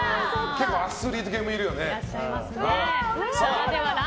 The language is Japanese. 結構アスリート系もいるよね。